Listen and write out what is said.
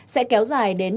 sẽ kéo dài đến bảy h